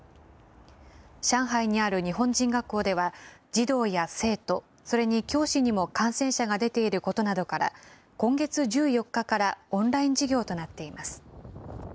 上海にある日本人学校では、児童や生徒、それに教師にも感染者が出ていることなどから、今月１４日からオンライン授業となっています。